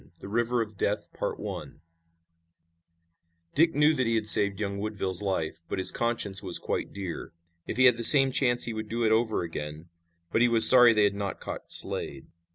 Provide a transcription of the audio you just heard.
THE RIVER OF DEATH Dick knew that he had saved young Woodville's life, but his conscience was quite dear. If he had the same chance he would do it over again, but he was sorry they had not caught Slade.